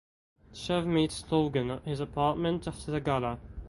Shiv meets Logan at his apartment after the gala.